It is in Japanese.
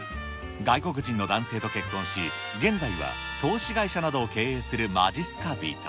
外国人の男性と結婚し、現在は投資会社などを経営するまじっすか人。